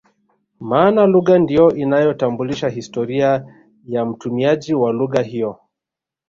Maana lugha ndio inayotambulisha historia ya mtumiaji wa lugha hiyo